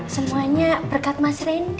semuanya berkat mas randy